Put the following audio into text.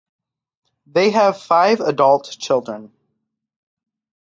They have five adult children.